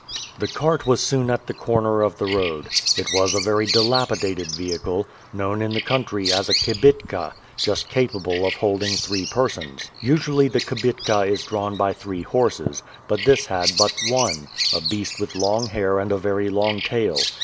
The cart was soon at the corner of the road. It was a very dilapidated vehicle, known in the country as a kibitka, just capable of holding three persons. Usually the kibitka is drawn by three horses, but this had but one, a beast with long hair and a very long tail.